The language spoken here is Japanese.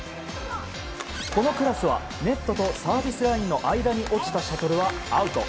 このクラスはネットとサービスラインの間に落ちたシャトルはアウト。